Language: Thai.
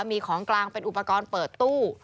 มีของกลางเป็นอุปกรณ์เปิดตู้